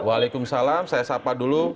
waalaikumsalam saya sapa dulu